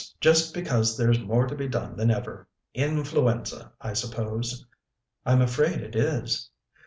just because there's more to be done than ever! Influenza, I suppose?" "I'm afraid it is."